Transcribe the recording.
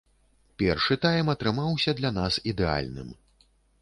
Першы тайм атрымаўся для нас ідэальным.